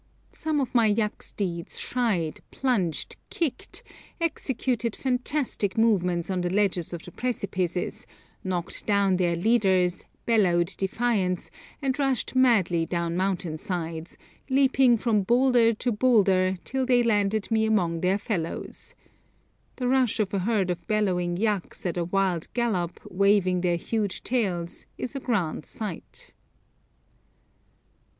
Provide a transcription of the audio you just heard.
Some of my yak steeds shied, plunged, kicked, executed fantastic movements on the ledges of precipices, knocked down their leaders, bellowed defiance, and rushed madly down mountain sides, leaping from boulder to boulder, till they landed me among their fellows. The rush of a herd of bellowing yaks at a wild gallop, waving their huge tails, is a grand sight.